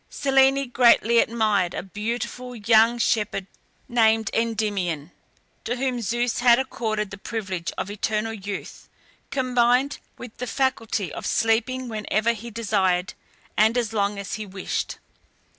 Selene greatly admired a beautiful young shepherd named Endymion, to whom Zeus had accorded the privilege of eternal youth, combined with the faculty of sleeping whenever he desired, and as long as he wished.